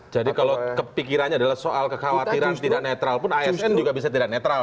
kalau kepikirannya adalah soal kekhawatiran tidak netral pun asn juga bisa tidak netral